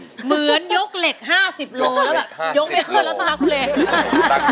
เหมือนยกเหล็ก๕๐โลแล้วแบบยกเหล็กแล้วท้าคุเล